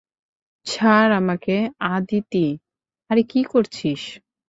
ছাড় আমাকে, - আদিতি, আরে কি করছিস?